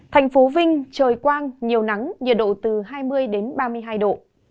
thành phố vinh trời quang nhiều nắng nhiệt độ từ hai mươi đến ba mươi hai độ